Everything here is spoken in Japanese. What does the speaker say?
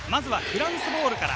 まずはフランスボールから。